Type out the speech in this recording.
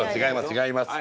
違います。